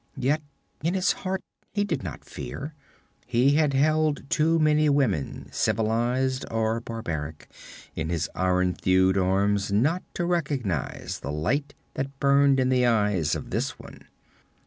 Yet in his heart he did not fear; he had held too many women, civilized or barbaric, in his iron thewed arms, not to recognize the light that burned in the eyes of this one.